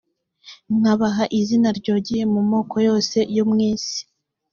nkabaha izina ryogeye mu moko yose yo mu isi